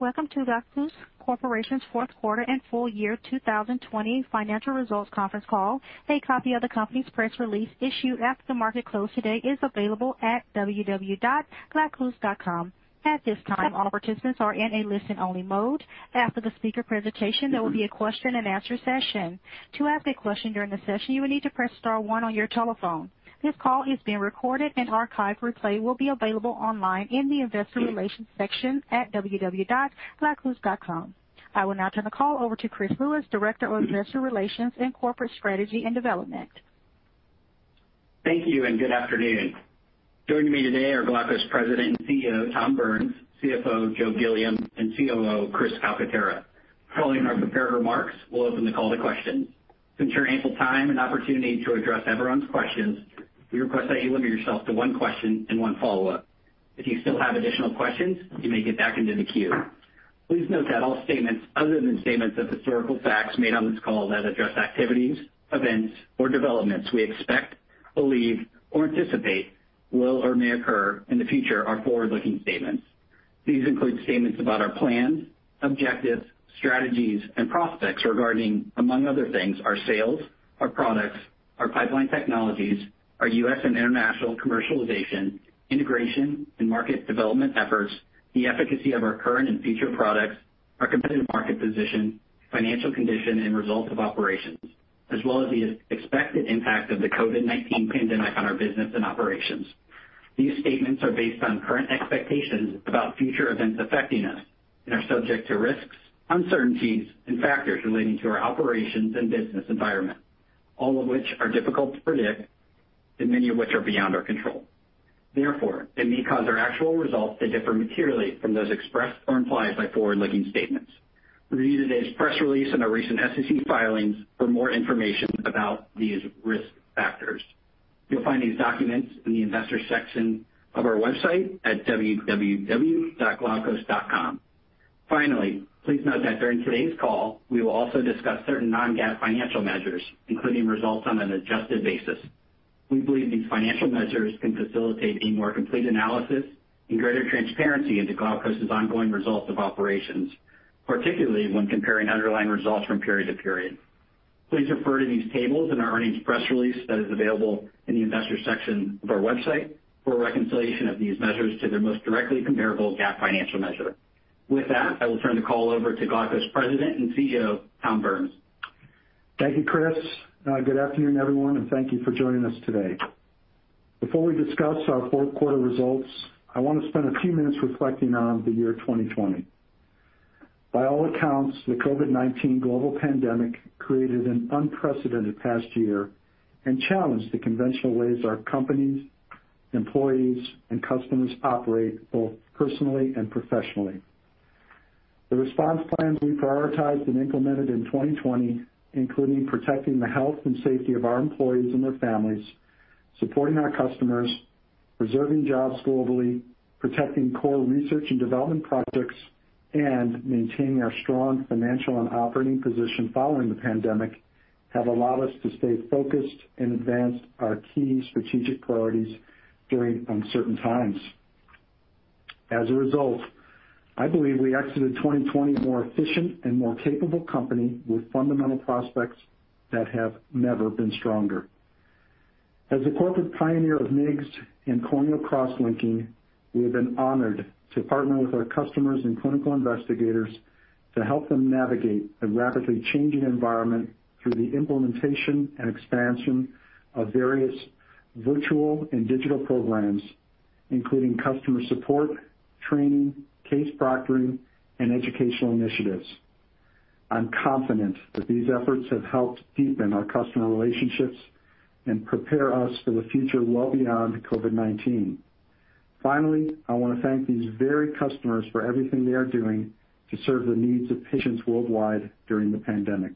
Welcome to Glaukos Corporation's Fourth Quarter and Full Year 2020 Financial Results Conference Call. A copy of the company's press release issued after the market close today is available at www.glaukos.com. At this time, all participants are in a listen-only mode. After the speaker presentation, there will be a question-and-answer session. To ask a question during the session, you will need to press star one on your telephone. This call is being recorded, and archive replay will be available online in the Investor Relations section at www.glaukos.com. I will now turn the call over to Chris Lewis, Director of Investor Relations and Corporate Strategy and Development. Thank you, and good afternoon. Joining me today are Glaukos President and CEO, Tom Burns, CFO, Joe Gilliam, and COO, Chris Calcaterra. Following our prepared remarks, we'll open the call to questions. To ensure ample time and opportunity to address everyone's questions, we request that you limit yourself to one question and one follow-up. If you still have additional questions, you may get back into the queue. Please note that all statements other than statements of historical facts made on this call that address activities, events or developments we expect, believe, or anticipate will or may occur in the future are forward-looking statements. These include statements about our plans, objectives, strategies, and prospects regarding, among other things, our sales, our products, our pipeline technologies, our U.S. and international commercialization, integration, and market development efforts, the efficacy of our current and future products, our competitive market position, financial condition, and results of operations, as well as the expected impact of the COVID-19 pandemic on our business and operations. These statements are based on current expectations about future events affecting us and are subject to risks, uncertainties, and factors relating to our operations and business environment, all of which are difficult to predict and many of which are beyond our control. Therefore, they may cause our actual results to differ materially from those expressed or implied by forward-looking statements. Read today's press release and our recent SEC filings for more information about these risk factors. You'll find these documents in the investor section of our website at www.glaukos.com. Finally, please note that during today's call, we will also discuss certain non-GAAP financial measures, including results on an adjusted basis. We believe these financial measures can facilitate a more complete analysis and greater transparency into Glaukos' ongoing results of operations, particularly when comparing underlying results from period to period. Please refer to these tables in our earnings press release that is available in the investor section of our website for a reconciliation of these measures to their most directly comparable GAAP financial measure. With that, I will turn the call over to Glaukos President and CEO, Tom Burns. Thank you, Chris. Good afternoon, everyone, and thank you for joining us today. Before we discuss our fourth quarter results, I want to spend a few minutes reflecting on the year 2020. By all accounts, the COVID-19 global pandemic created an unprecedented past year and challenged the conventional ways our companies, employees, and customers operate both personally and professionally. The response plans we prioritized and implemented in 2020, including protecting the health and safety of our employees and their families, supporting our customers, preserving jobs globally, protecting core research and development projects, and maintaining our strong financial and operating position following the pandemic, have allowed us to stay focused and advance our key strategic priorities during uncertain times. As a result, I believe we exited 2020 a more efficient and more capable company with fundamental prospects that have never been stronger. As the corporate pioneer of MIGS and corneal cross-linking, we have been honored to partner with our customers and clinical investigators to help them navigate a rapidly changing environment through the implementation and expansion of various virtual and digital programs including customer support, training, case proctoring, and educational initiatives. I'm confident that these efforts have helped deepen our customer relationships and prepare us for the future well beyond COVID-19. Finally, I want to thank these very customers for everything they are doing to serve the needs of patients worldwide during the pandemic.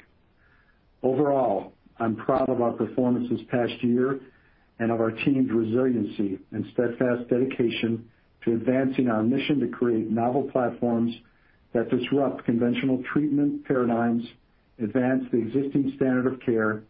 Overall, I'm proud of our performance this past year and of our team's resiliency and steadfast dedication to advancing our mission to create novel platforms that disrupt conventional treatment paradigms, advance the existing standard of care,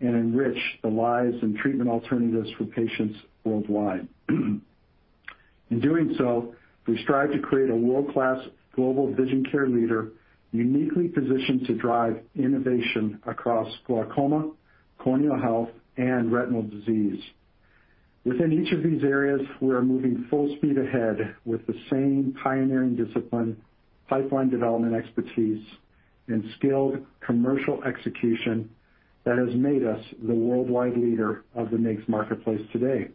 and enrich the lives and treatment alternatives for patients worldwide. In doing so, we strive to create a world-class global vision care leader uniquely positioned to drive innovation across glaucoma, corneal health, and retinal disease. Within each of these areas, we are moving full speed ahead with the same pioneering discipline, pipeline development expertise, and skilled commercial execution that has made us the worldwide leader of the MIGS marketplace today.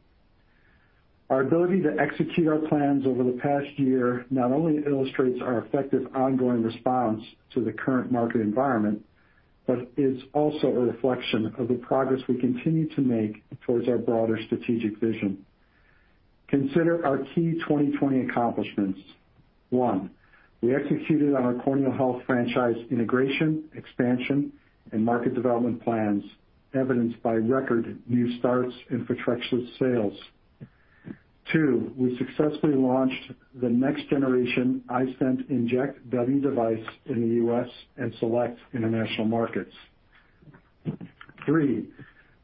Our ability to execute our plans over the past year not only illustrates our effective ongoing response to the current market environment, but is also a reflection of the progress we continue to make towards our broader strategic vision. Consider our key 2020 accomplishments. One, we executed on our corneal health franchise integration, expansion, and market development plans, evidenced by record new starts and Photrexa sales. Two, we successfully launched the next generation iStent inject W device in the U.S. and select international markets. Three,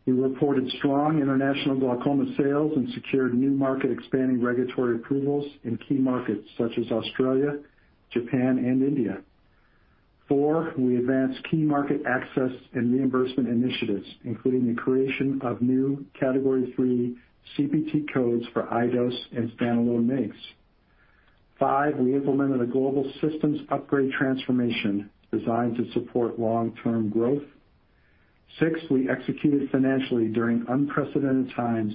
reported strong international glaucoma sales and secured new market-expanding regulatory approvals in key markets such as Australia, Japan, and India. Four, we advanced key market access and reimbursement initiatives, including the creation of new Category III CPT codes for iDose and standalone MIGS. Five, we implemented a global systems upgrade transformation designed to support long-term growth. Six, we executed financially during unprecedented times,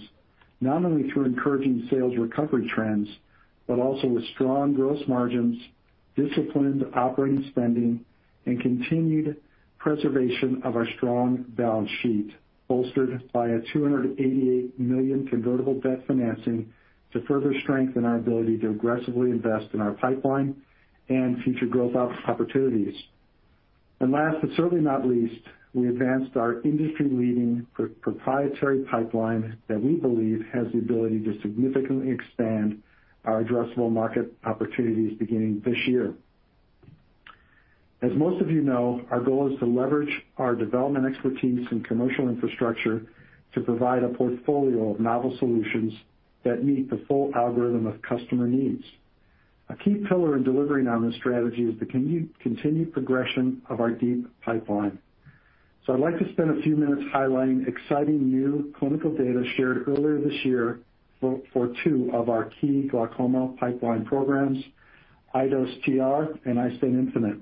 not only through encouraging sales recovery trends but also with strong gross margins, disciplined operating spending, and continued preservation of our strong balance sheet, bolstered by a $288 million convertible debt financing to further strengthen our ability to aggressively invest in our pipeline and future growth opportunities. Last but certainly not least, we advanced our industry-leading proprietary pipeline that we believe has the ability to significantly expand our addressable market opportunities beginning this year. As most of you know, our goal is to leverage our development expertise and commercial infrastructure to provide a portfolio of novel solutions that meet the full algorithm of customer needs. A key pillar in delivering on this strategy is the continued progression of our deep pipeline. I'd like to spend a few minutes highlighting exciting new clinical data shared earlier this year for two of our key glaucoma pipeline programs, iDose TR and iStent infinite.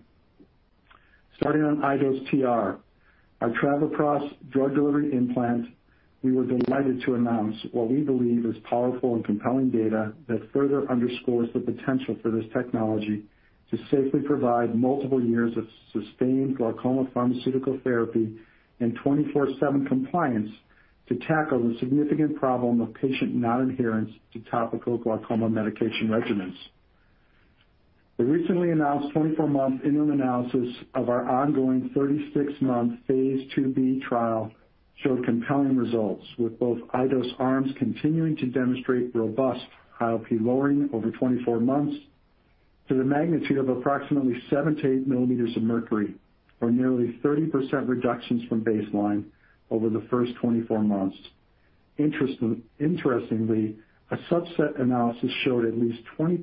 Starting on iDose TR, our travoprost drug delivery implant, we were delighted to announce what we believe is powerful and compelling data that further underscores the potential for this technology to safely provide multiple years of sustained glaucoma pharmaceutical therapy and 24/7 compliance to tackle the significant problem of patient non-adherence to topical glaucoma medication regimens. The recently announced 24-month interim analysis of our ongoing 36-month phase IIb trial showed compelling results with both iDose arms continuing to demonstrate robust IOP lowering over 24 months to the magnitude of approximately 7 to 8 millimeters of mercury or nearly 30% reductions from baseline over the first 24 months. Interestingly, a subset analysis showed at least 20%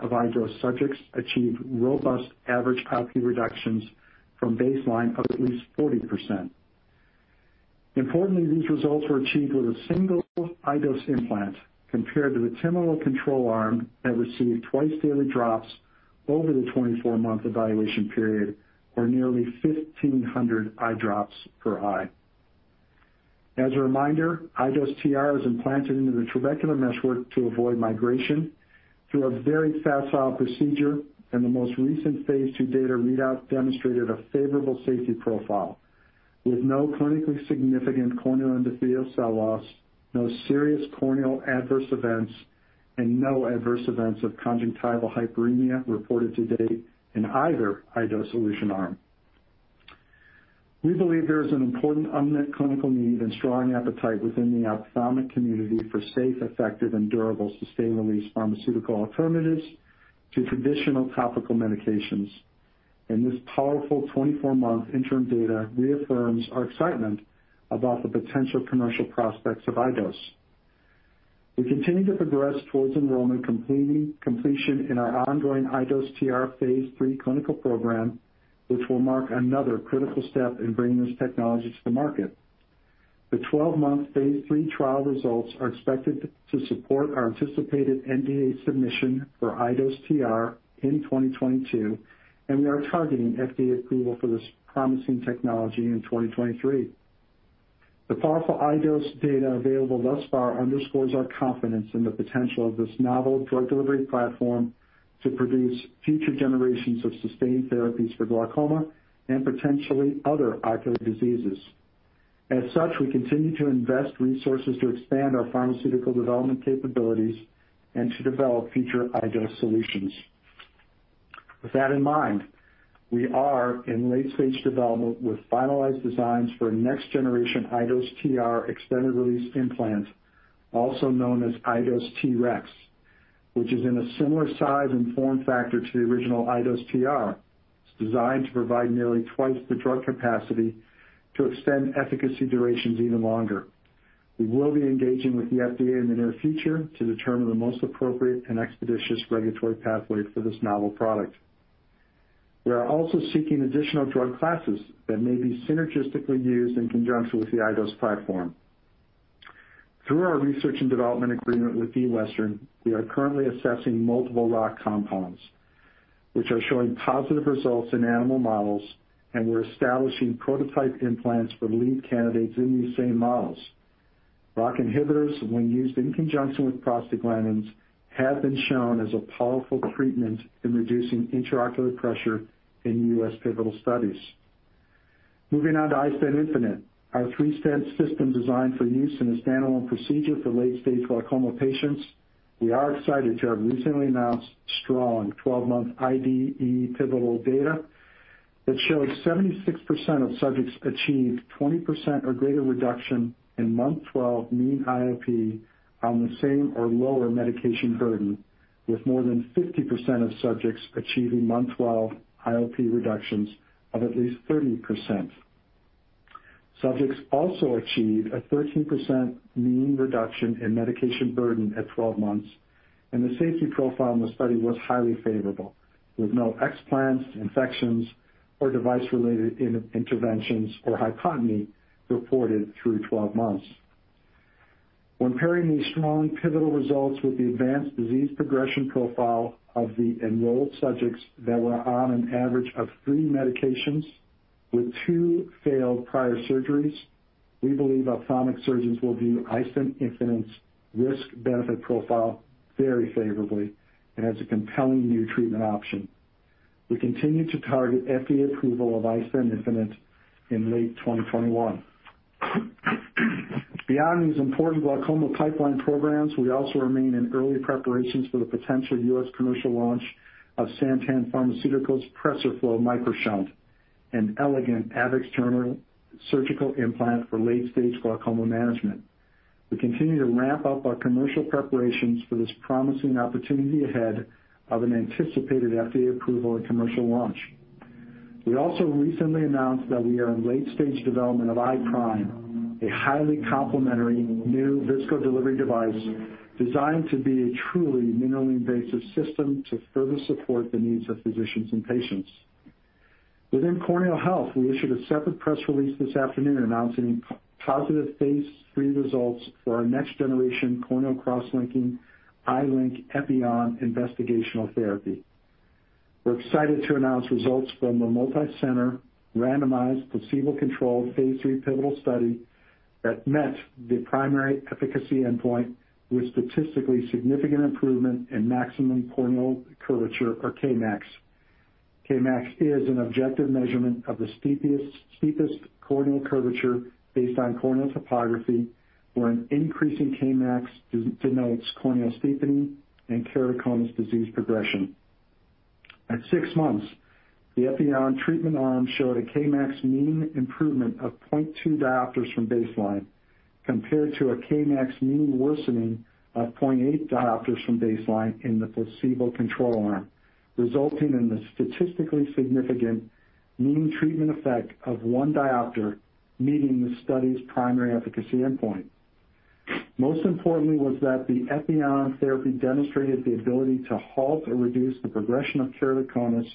of iDose subjects achieved robust average IOP reductions from baseline of at least 40%. These results were achieved with a single iDose implant compared to the timolol control arm that received twice-daily drops over the 24-month evaluation period, or nearly 1,500 eye drops per eye. As a reminder, iDose TR is implanted into the trabecular meshwork to avoid migration through a very facile procedure, and the most recent phase II data readout demonstrated a favorable safety profile with no clinically significant corneal endothelial cell loss, no serious corneal adverse events, and no adverse events of conjunctival hyperemia reported to date in either high-dose solution arm. We believe there is an important unmet clinical need and strong appetite within the ophthalmic community for safe, effective, and durable sustained-release pharmaceutical alternatives to traditional topical medications. This powerful 24-month interim data reaffirms our excitement about the potential commercial prospects of iDose. We continue to progress towards enrollment completion in our ongoing iDose TR phase III clinical program, which will mark another critical step in bringing this technology to the market. We are targeting FDA approval for this promising technology in 2023. The 12-month phase III trial results are expected to support our anticipated NDA submission for iDose TR in 2022. The powerful iDose data available thus far underscores our confidence in the potential of this Novel Drug Delivery platform to produce future generations of sustained therapies for glaucoma and potentially other ocular diseases. As such, we continue to invest resources to expand our pharmaceutical development capabilities and to develop future iDose solutions. With that in mind, we are in late-stage development with finalized designs for next generation iDose TR extended release implants, also known as iDose TREX, which is in a similar size and form factor to the original iDose TR. It's designed to provide nearly twice the drug capacity to extend efficacy durations even longer. We will be engaging with the FDA in the near future to determine the most appropriate and expeditious regulatory pathway for this novel product. We are also seeking additional drug classes that may be synergistically used in conjunction with the iDose platform. Through our research and development agreement with D. Western, we are currently assessing multiple ROCK compounds which are showing positive results in animal models, and we're establishing prototype implants for lead candidates in these same models. ROCK inhibitors, when used in conjunction with prostaglandins, have been shown as a powerful treatment in reducing intraocular pressure in U.S. pivotal studies. Moving on to iStent infinite, our three-stent system designed for use in a standalone procedure for late-stage glaucoma patients. We are excited to have recently announced strong 12-month IDE pivotal data that shows 76% of subjects achieved 20% or greater reduction in month 12 mean IOP on the same or lower medication burden, with more than 50% of subjects achieving month 12 IOP reductions of at least 30%. Subjects also achieved a 13% mean reduction in medication burden at 12 months. The safety profile in the study was highly favorable, with no explants, infections, or device-related interventions or hypotony reported through 12 months. When pairing these strong pivotal results with the advanced disease progression profile of the enrolled subjects that were on an average of three medications with two failed prior surgeries, we believe ophthalmic surgeons will view iStent infinite's risk-benefit profile very favorably and as a compelling new treatment option. We continue to target FDA approval of iStent infinite in late 2021. Beyond these important glaucoma pipeline programs, we also remain in early preparations for the potential U.S. commercial launch of Santen Pharmaceutical's PRESERFLO MicroShunt, an elegant ab externo surgical implant for late-stage glaucoma management. We continue to ramp up our commercial preparations for this promising opportunity ahead of an anticipated FDA approval and commercial launch. We also recently announced that we are in late-stage development of iPRIME, a highly complementary new viscodelivery device designed to be a truly minimally invasive system to further support the needs of physicians and patients. Within corneal health, we issued a separate press release this afternoon announcing positive phase III results for our next-generation corneal cross-linking iLink Epioxa investigational therapy. We're excited to announce results from a multi-center randomized controlled phase III pivotal study that met the primary efficacy endpoint with statistically significant improvement in maximum corneal curvature or Kmax. Kmax is an objective measurement of the steepest corneal curvature based on corneal topography, where an increase in Kmax denotes corneal steepening and keratoconus disease progression. At six months, the Epioxa treatment arm showed a Kmax mean improvement of 0.2 diopters from baseline compared to a Kmax mean worsening of 0.8 diopters from baseline in the placebo control arm, resulting in the statistically significant mean treatment effect of one diopter meeting the study's primary efficacy endpoint. Most importantly was that the Epioxa therapy demonstrated the ability to halt or reduce the progression of keratoconus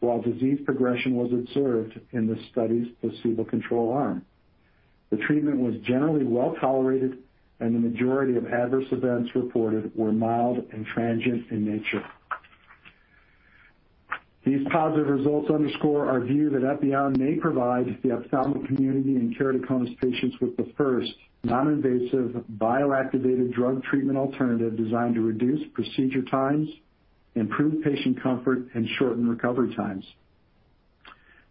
while disease progression was observed in the study's placebo control arm. The treatment was generally well-tolerated and the majority of adverse events reported were mild and transient in nature. These positive results underscore our view that Epioxa may provide the ophthalmic community and keratoconus patients with the first non-invasive bio-activated drug treatment alternative designed to reduce procedure times, improve patient comfort, and shorten recovery times.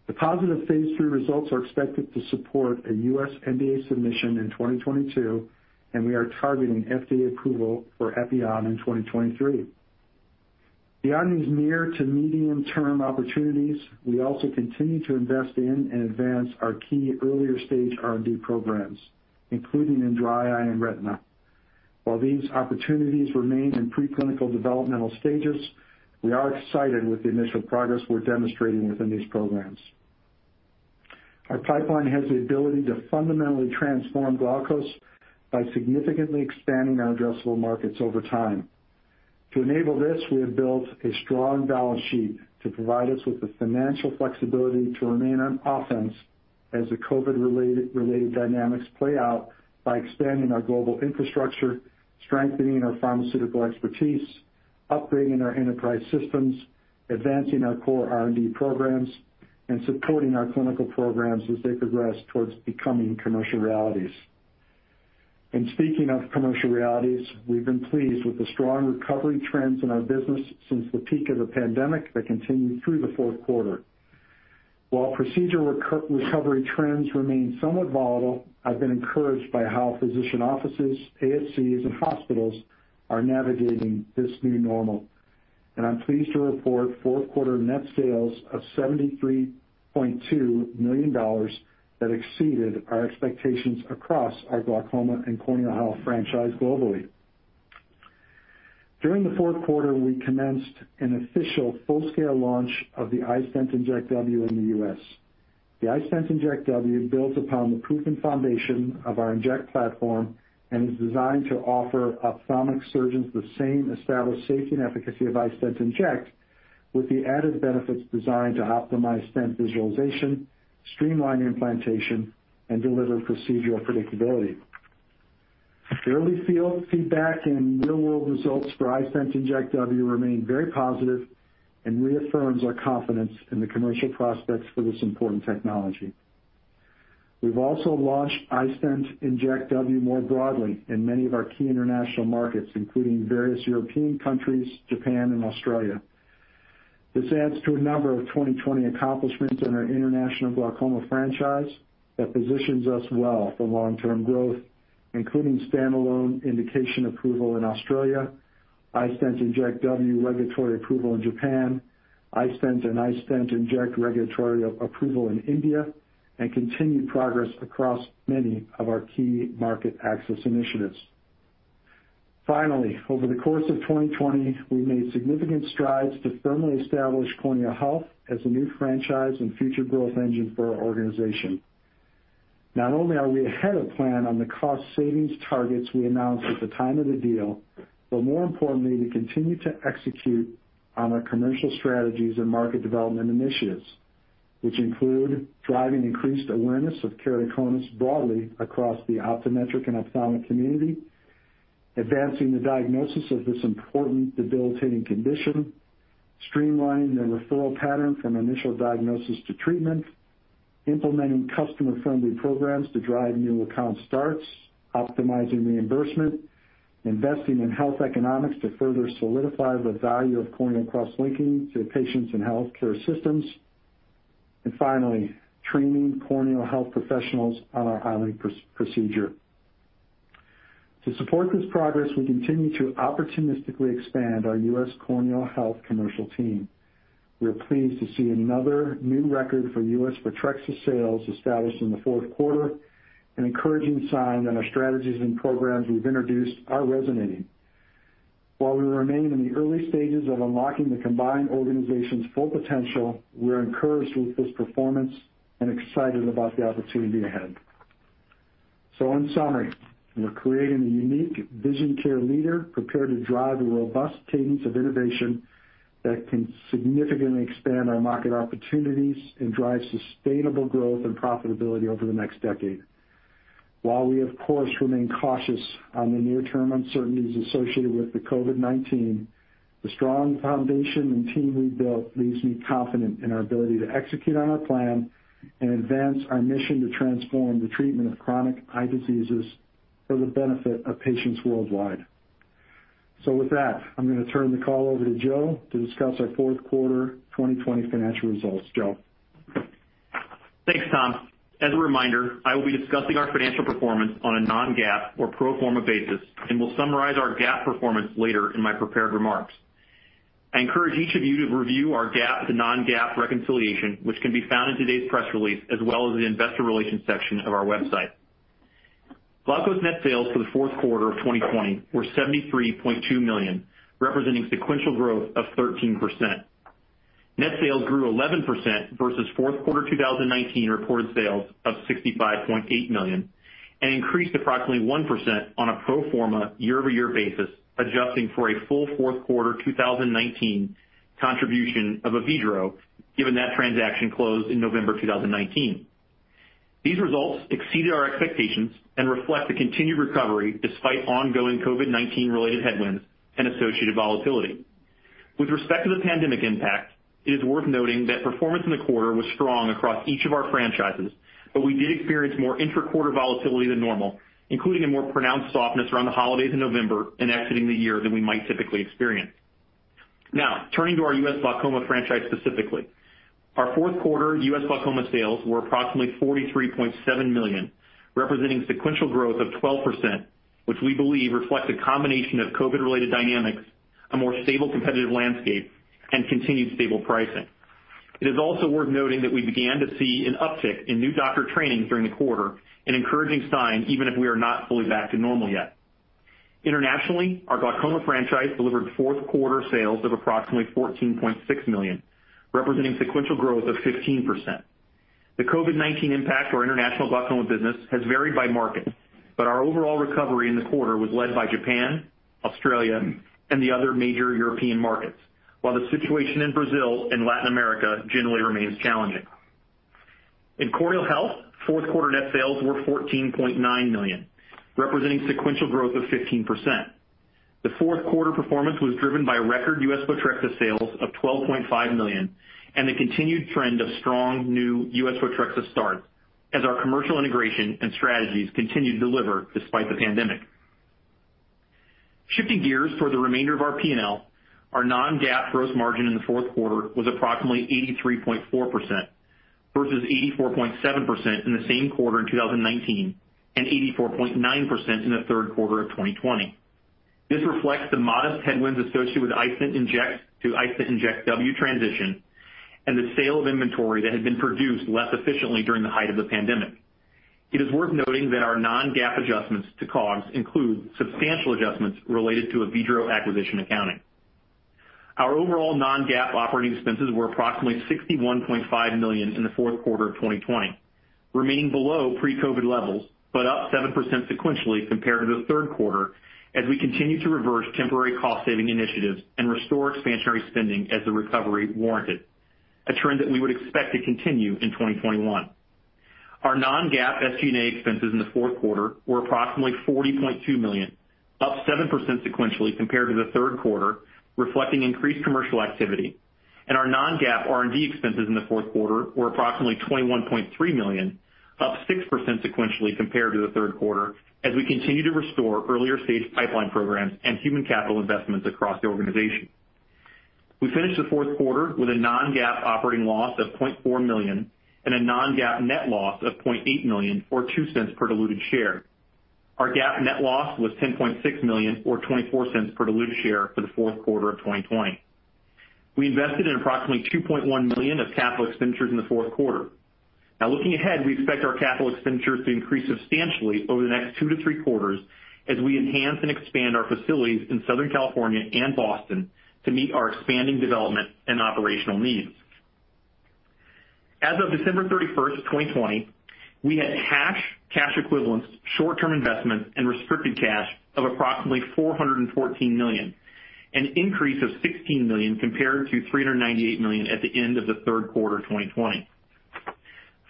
The positive phase III results are expected to support a U.S. NDA submission in 2022, and we are targeting FDA approval for Epioxa in 2023. Beyond these near to medium-term opportunities, we also continue to invest in and advance our key earlier-stage R&D programs, including in dry eye and retina. While these opportunities remain in pre-clinical developmental stages, we are excited with the initial progress we're demonstrating within these programs. Our pipeline has the ability to fundamentally transform Glaukos by significantly expanding our addressable markets over time. To enable this, we have built a strong balance sheet to provide us with the financial flexibility to remain on offense as the COVID-related dynamics play out by expanding our global infrastructure, strengthening our pharmaceutical expertise, upgrading our enterprise systems, advancing our core R&D programs, and supporting our clinical programs as they progress towards becoming commercial realities. Speaking of commercial realities, we've been pleased with the strong recovery trends in our business since the peak of the pandemic that continued through the fourth quarter. While procedure recovery trends remain somewhat volatile, I've been encouraged by how physician offices, ASCs, and hospitals are navigating this new normal, and I'm pleased to report fourth quarter net sales of $73.2 million that exceeded our expectations across our glaucoma and corneal health franchise globally. During the fourth quarter, we commenced an official full-scale launch of the iStent inject W in the U.S. The iStent inject W builds upon the proven foundation of our iStent inject platform and is designed to offer ophthalmic surgeons the same established safety and efficacy of iStent inject with the added benefits designed to optimize stent visualization, streamline implantation, and deliver procedural predictability. The early feedback and real-world results for iStent inject W remain very positive and reaffirms our confidence in the commercial prospects for this important technology. We've also launched iStent inject W more broadly in many of our key international markets, including various European countries, Japan, and Australia. This adds to a number of 2020 accomplishments in our international glaucoma franchise that positions us well for long-term growth, including Standalone Indication Approval in Australia, iStent inject W regulatory approval in Japan, iStent and iStent inject regulatory approval in India, and continued progress across many of our key market access initiatives. Finally, over the course of 2020, we made significant strides to firmly establish corneal health as a new franchise and future growth engine for our organization. Not only are we ahead of plan on the cost savings targets we announced at the time of the deal, but more importantly, we continue to execute on our commercial strategies and market development initiatives. Which include driving increased awareness of keratoconus broadly across the optometric and ophthalmic community, advancing the diagnosis of this important debilitating condition, streamlining the referral pattern from initial diagnosis to treatment, implementing customer-friendly programs to drive new account starts, optimizing reimbursement, investing in health economics to further solidify the value of corneal cross-linking to patients and healthcare systems and finally, training corneal health professionals on our iLink procedure. To support this progress, we continue to opportunistically expand our U.S. corneal health commercial team. We are pleased to see another new record for U.S. TREX sales established in the fourth quarter, an encouraging sign that our strategies and programs we've introduced are resonating. While we remain in the early stages of unlocking the combined organization's full potential, we're encouraged with this performance and excited about the opportunity ahead. In summary, we're creating a unique vision care leader prepared to drive a robust cadence of innovation that can significantly expand our market opportunities and drive sustainable growth and profitability over the next decade. While we of course remain cautious on the near-term uncertainties associated with COVID-19, the strong foundation and team rebuilt leaves me confident in our ability to execute on our plan and advance our mission to transform the treatment of chronic eye diseases for the benefit of patients worldwide. With that, I'm going to turn the call over to Joe to discuss our fourth quarter 2020 financial results. Joe. Thanks, Tom. As a reminder, I will be discussing our financial performance on a non-GAAP or pro forma basis, and will summarize our GAAP performance later in my prepared remarks. I encourage each of you to review our GAAP to non-GAAP reconciliation, which can be found in today's press release as well as the investor relations section of our website. Glaukos net sales for the fourth quarter of 2020 were $73.2 million, representing sequential growth of 13%. Net sales grew 11% versus fourth quarter 2019 reported sales of $65.8 million, and increased approximately 1% on a pro forma year-over-year basis, adjusting for a full fourth quarter 2019 contribution of Avedro, given that transaction closed in November 2019. These results exceeded our expectations and reflect the continued recovery despite ongoing COVID-19 related headwinds and associated volatility. With respect to the pandemic impact, it is worth noting that performance in the quarter was strong across each of our franchises, but we did experience more intra-quarter volatility than normal, including a more pronounced softness around the holidays in November and exiting the year than we might typically experience. Now, turning to our U.S. glaucoma franchise specifically. Our fourth quarter U.S. glaucoma sales were approximately $43.7 million, representing sequential growth of 12%, which we believe reflects a combination of COVID-related dynamics, a more stable competitive landscape, and continued stable pricing. It is also worth noting that we began to see an uptick in new doctor training during the quarter, an encouraging sign, even if we are not fully back to normal yet. Internationally, our glaucoma franchise delivered fourth quarter sales of approximately $14.6 million, representing sequential growth of 15%. The COVID-19 impact to our international glaucoma business has varied by market, but our overall recovery in the quarter was led by Japan, Australia, and the other major European markets, while the situation in Brazil and Latin America generally remains challenging. In corneal health, fourth quarter net sales were $14.9 million, representing sequential growth of 15%. The fourth quarter performance was driven by record U.S. Photrexa sales of $12.5 million and the continued trend of strong new U.S. Photrexa starts as our commercial integration and strategies continue to deliver despite the pandemic. Shifting gears for the remainder of our P&L, our non-GAAP gross margin in the fourth quarter was approximately 83.4% versus 84.7% in the same quarter in 2019, and 84.9% in the third quarter of 2020. This reflects the modest headwinds associated with iStent inject to iStent inject W transition and the sale of inventory that had been produced less efficiently during the height of the pandemic. It is worth noting that our non-GAAP adjustments to COGS include substantial adjustments related to Avedro acquisition accounting. Our overall non-GAAP operating expenses were approximately $61.5 million in the fourth quarter of 2020, remaining below pre-COVID levels but up 7% sequentially compared to the third quarter, as we continue to reverse temporary cost saving initiatives and restore expansionary spending as the recovery warranted, a trend that we would expect to continue in 2021. Our non-GAAP SG&A expenses in the fourth quarter were approximately $40.2 million, up 7% sequentially compared to the third quarter, reflecting increased commercial activity. Our non-GAAP R&D expenses in the fourth quarter were approximately $21.3 million, up 6% sequentially compared to the third quarter as we continue to restore earlier stage pipeline programs and human capital investments across the organization. We finished the fourth quarter with a non-GAAP operating loss of $0.4 million and a non-GAAP net loss of $0.8 million, or $0.02 per diluted share. Our GAAP net loss was $10.6 million, or $0.24 per diluted share for the fourth quarter of 2020. We invested in approximately $2.1 million of capital expenditures in the fourth quarter. Looking ahead, we expect our capital expenditures to increase substantially over the next two to three quarters as we enhance and expand our facilities in Southern California and Boston to meet our expanding development and operational needs. As of December 31st, 2020, we had cash equivalents, short-term investments, and restricted cash of approximately $414 million, an increase of $16 million compared to $398 million at the end of the third quarter of 2020.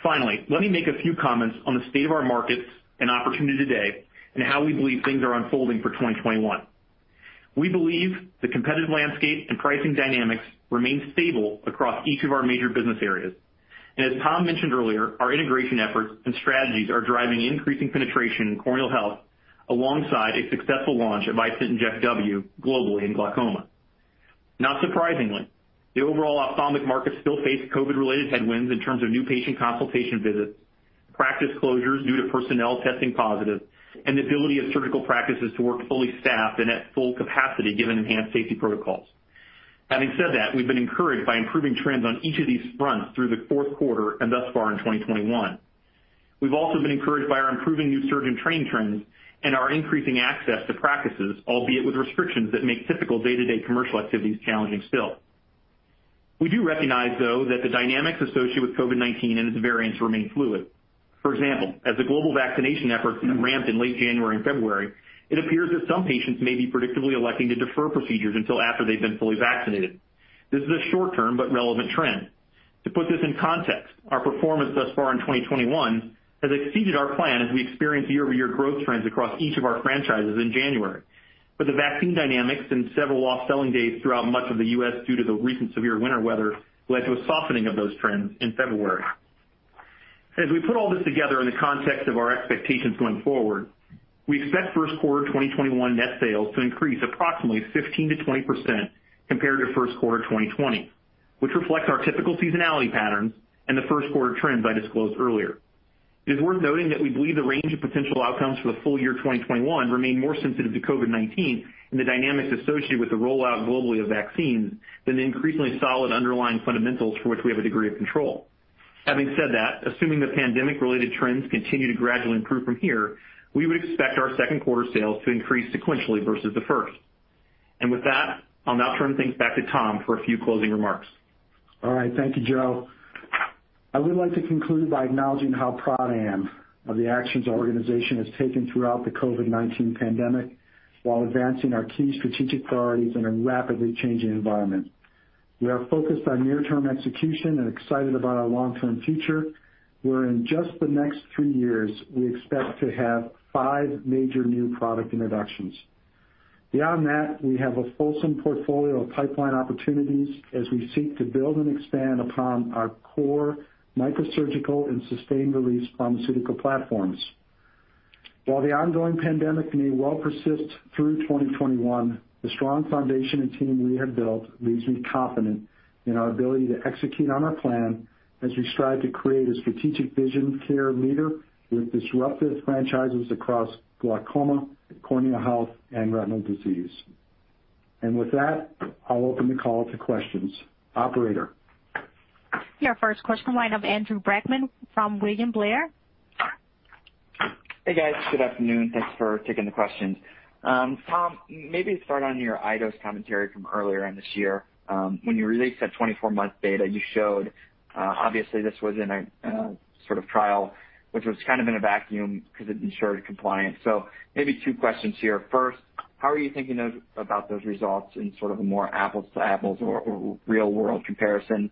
Finally, let me make a few comments on the state of our markets and opportunity today and how we believe things are unfolding for 2021. We believe the competitive landscape and pricing dynamics remain stable across each of our major business areas. As Tom mentioned earlier, our integration efforts and strategies are driving increasing penetration in corneal health alongside a successful launch of iStent inject W globally in glaucoma. Not surprisingly, the overall ophthalmic market still faced COVID-related headwinds in terms of new patient consultation visits, practice closures due to personnel testing positive, and the ability of surgical practices to work fully staffed and at full capacity given enhanced safety protocols. Having said that, we've been encouraged by improving trends on each of these fronts through the fourth quarter and thus far in 2021. We've also been encouraged by our improving new surgeon training trends and our increasing access to practices, albeit with restrictions that make typical day-to-day commercial activities challenging still. We do recognize, though, that the dynamics associated with COVID-19 and its variants remain fluid. For example, as the global vaccination efforts ramped in late January and February, it appears that some patients may be predictably electing to defer procedures until after they've been fully vaccinated. This is a short-term but relevant trend. To put this in context, our performance thus far in 2021 has exceeded our plan as we experienced year-over-year growth trends across each of our franchises in January. The vaccine dynamics and several lost selling days throughout much of the U.S. due to the recent severe winter weather led to a softening of those trends in February. As we put all this together in the context of our expectations going forward, we expect first quarter 2021 net sales to increase approximately 15% to 20% compared to first quarter 2020, which reflects our typical seasonality patterns and the first quarter trends I disclosed earlier. It is worth noting that we believe the range of potential outcomes for the full year 2021 remain more sensitive to COVID-19 and the dynamics associated with the rollout globally of vaccines than the increasingly solid underlying fundamentals for which we have a degree of control. Having said that, assuming the pandemic-related trends continue to gradually improve from here, we would expect our second quarter sales to increase sequentially versus the first. With that, I'll now turn things back to Tom for a few closing remarks. All right. Thank you, Joe. I would like to conclude by acknowledging how proud I am of the actions our organization has taken throughout the COVID-19 pandemic while advancing our key strategic priorities in a rapidly changing environment. We are focused on near-term execution and excited about our long-term future, where in just the next three years, we expect to have five major new product introductions. Beyond that, we have a fulsome portfolio of pipeline opportunities as we seek to build and expand upon our core microsurgical and sustained release pharmaceutical platforms. While the ongoing pandemic may well persist through 2021, the strong foundation and team we have built leaves me confident in our ability to execute on our plan as we strive to create a strategic vision care leader with disruptive franchises across glaucoma, corneal health, and retinal disease. With that, I'll open the call to questions. Operator? Yeah. First question, line of Andrew Brackmann from William Blair. Hey, guys. Good afternoon. Thanks for taking the questions. Tom, maybe start on your iDose commentary from earlier in this year. When you released that 24-month data you showed, obviously this was in a sort of trial which was kind of in a vacuum because it ensured compliance. Maybe two questions here. First, how are you thinking about those results in sort of a more apples-to-apples or real-world comparison?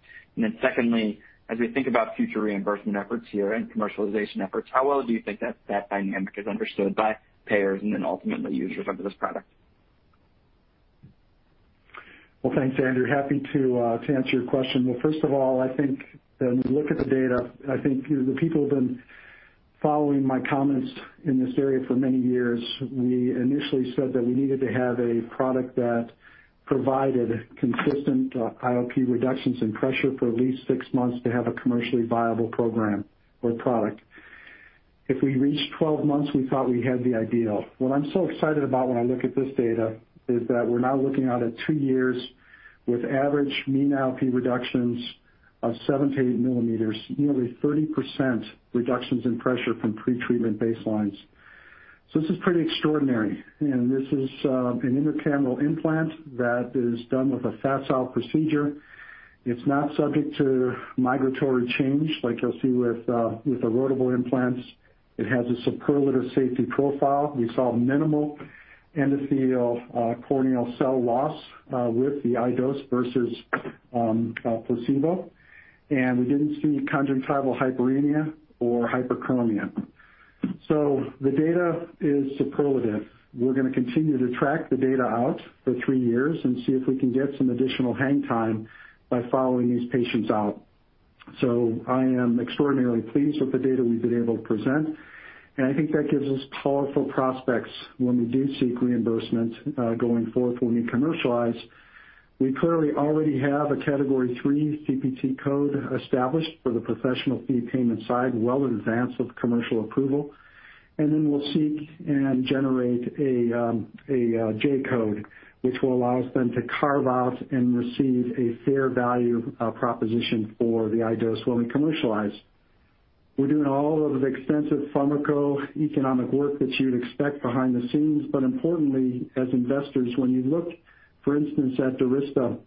Secondly, as we think about future reimbursement efforts here and commercialization efforts, how well do you think that dynamic is understood by payers and then ultimately users of this product? Well, thanks, Andrew. Happy to answer your question. Well, first of all, I think when we look at the data, I think the people have been following my comments in this area for many years. We initially said that we needed to have a product that provided consistent IOP reductions in pressure for at least six months to have a commercially viable program or product. If we reached 12 months, we thought we had the ideal. What I'm so excited about when I look at this data is that we're now looking out at two years with average mean IOP reductions of 7 to 8 millimeters, nearly 30% reductions in pressure from pre-treatment baselines. This is pretty extraordinary. This is an intracameral implant that is done with a facets out procedure. It's not subject to migratory change like you'll see with erodible implants. It has a superlative safety profile. We saw minimal corneal endothelial cell loss with the iDose versus placebo. We didn't see conjunctival hyperemia or hyperchromia. The data is superlative. We're going to continue to track the data out for three years and see if we can get some additional hang time by following these patients out. I am extraordinarily pleased with the data we've been able to present, and I think that gives us powerful prospects when we do seek reimbursement going forward when we commercialize. We clearly already have a Category III CPT code established for the professional fee payment side well in advance of commercial approval. Then we'll seek and generate a J-code, which will allow us then to carve out and receive a fair value proposition for the iDose when we commercialize. We're doing all of the extensive pharmacoeconomic work that you would expect behind the scenes. Importantly, as investors, when you look, for instance, at Durysta,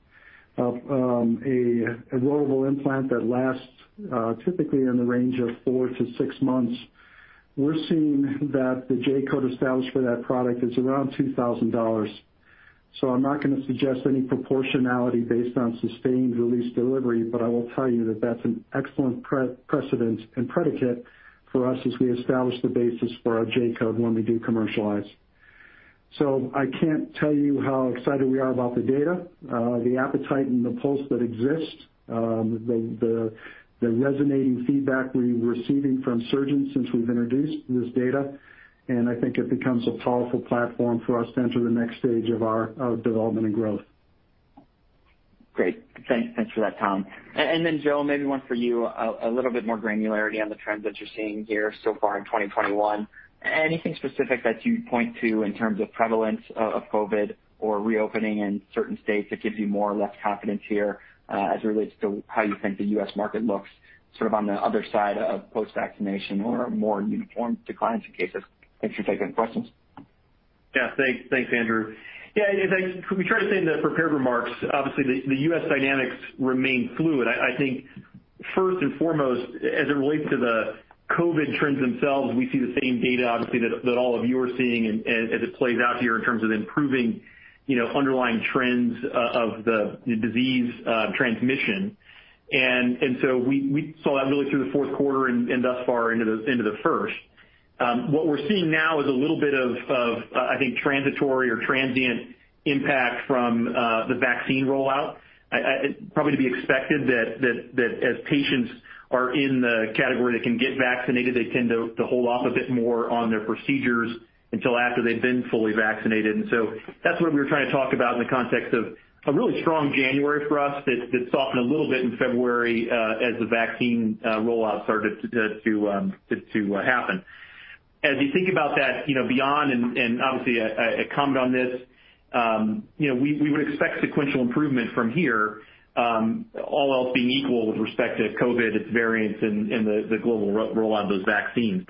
a rollable implant that lasts typically in the range of four to six months, we're seeing that the J-code established for that product is around $2,000. I'm not going to suggest any proportionality based on sustained-release delivery, but I will tell you that that's an excellent precedent and predicate for us as we establish the basis for our J-code when we do commercialize. I can't tell you how excited we are about the data, the appetite, and the pulse that exists, the resonating feedback we're receiving from surgeons since we've introduced this data. I think it becomes a powerful platform for us to enter the next stage of our development and growth. Great. Thanks for that, Tom. Joe, maybe one for you, a little bit more granularity on the trends that you're seeing here so far in 2021. Anything specific that you'd point to in terms of prevalence of COVID or reopening in certain states that gives you more or less confidence here as it relates to how you think the U.S. market looks sort of on the other side of post-vaccination or more uniform declines in cases? Thanks for taking questions. Yeah. Thanks, Andrew. Yeah, as we tried to say in the prepared remarks, obviously, the U.S. dynamics remain fluid. I think first and foremost, as it relates to the COVID trends themselves, we see the same data, obviously, that all of you are seeing as it plays out here in terms of improving underlying trends of the disease transmission. We saw that really through the fourth quarter and thus far into the first. What we're seeing now is a little bit of, I think, transitory or transient impact from the vaccine rollout. Probably to be expected that as patients are in the category that can get vaccinated, they tend to hold off a bit more on their procedures until after they've been fully vaccinated. That's what we were trying to talk about in the context of a really strong January for us that softened a little bit in February as the vaccine rollout started to happen. As you think about that beyond, and obviously, I commented on this, we would expect sequential improvement from here, all else being equal with respect to COVID, its variants, and the global rollout of those vaccines.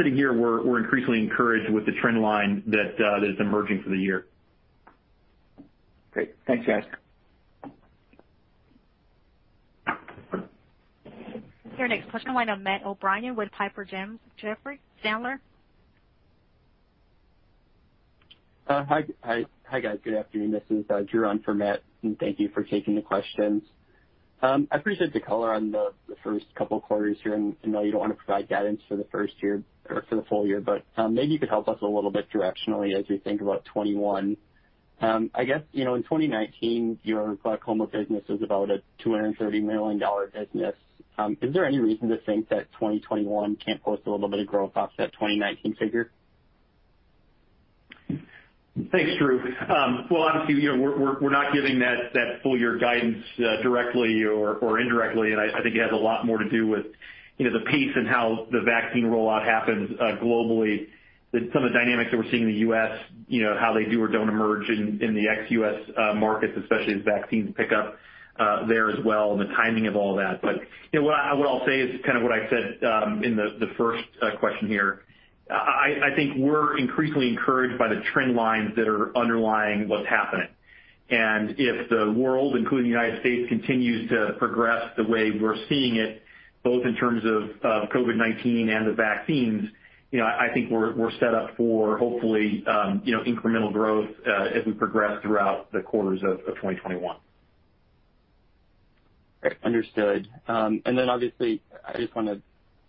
Sitting here, we're increasingly encouraged with the trend line that is emerging for the year. Great. Thanks, guys. Your next question will go to Matthew O'Brien with Piper Sandler. Sandler? Hi, guys. Good afternoon. This is Drew on for Matt, and thank you for taking the questions. I appreciate the color on the first couple of quarters here, and I know you don't want to provide guidance for the first year or for the full year but maybe you could help us a little bit directionally as we think about 2021. I guess, in 2019, your glaucoma business was about a $230 million business. Is there any reason to think that 2021 can't post a little bit of growth off that 2019 figure? Thanks, Drew. Well, obviously, we're not giving that full-year guidance directly or indirectly, and I think it has a lot more to do with the pace and how the vaccine rollout happens globally, some of the dynamics that we're seeing in the U.S., how they do or don't emerge in the ex-U.S. markets, especially as vaccines pick up there as well, and the timing of all that. What I'll say is kind of what I said in the first question here. I think we're increasingly encouraged by the trend lines that are underlying what's happening. If the world, including the United States, continues to progress the way we're seeing it, both in terms of COVID-19 and the vaccines, I think we're set up for hopefully incremental growth as we progress throughout the quarters of 2021. Great. Understood. Obviously, I just want to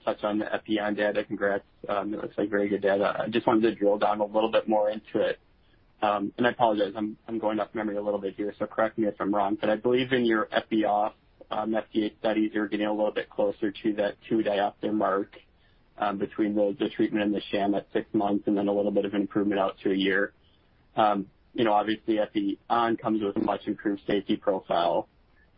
touch on the Epi-on data. Congrats. It looks like very good data. I just wanted to drill down a little bit more into it. I apologize, I'm going off memory a little bit here, so correct me if I'm wrong, but I believe in your Epi-off FDA studies, you were getting a little bit closer to that two diopter mark between the treatment and the sham at six months, and then a little bit of improvement out to a year. Obviously, Epi-on comes with a much improved safety profile.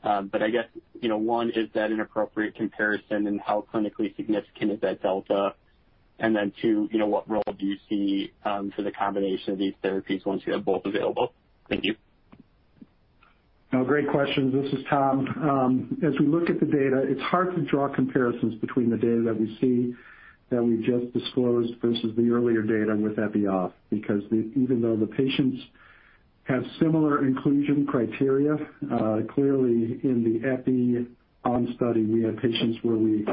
I guess, one, is that an appropriate comparison, and how clinically significant is that delta? Two, what role do you see for the combination of these therapies once you have both available? Thank you. No, great questions. This is Tom. As we look at the data, it's hard to draw comparisons between the data that we see that we just disclosed versus the earlier data with Epi-off. Even though the patients have similar inclusion criteria, clearly in the Epi-on study, we had patients where we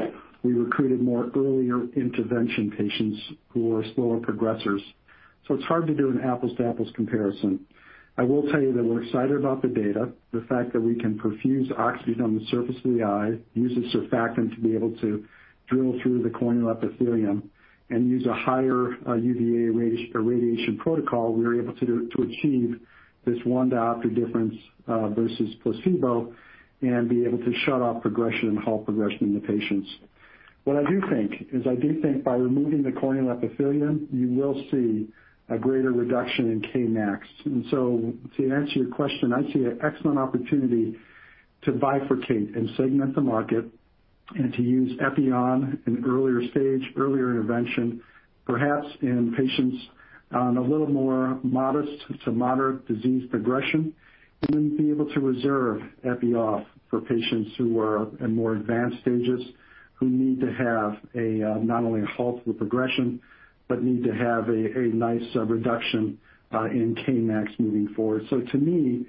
recruited more earlier intervention patients who were slower progressors. It's hard to do an apples-to-apples comparison. I will tell you that we're excited about the data. The fact that we can perfuse oxygen on the surface of the eye, use a surfactant to be able to drill through the corneal epithelium, and use a higher UVA radiation protocol, we were able to achieve this one diopter difference versus placebo and be able to shut off progression and halt progression in the patients. What I do think is I do think by removing the corneal epithelium, you will see a greater reduction in Kmax. To answer your question, I see an excellent opportunity to bifurcate and segment the market. To use Epi-on in earlier stage, earlier intervention, perhaps in patients on a little more modest to moderate disease progression, and then be able to reserve Epi-Off for patients who are in more advanced stages, who need to have not only a halt to the progression but need to have a nice reduction in Kmax moving forward. To me,